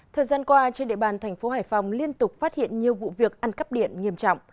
thời gian qua trên địa bàn thành phố hải phòng liên tục phát hiện nhiều vụ việc ăn cắp điện nghiêm trọng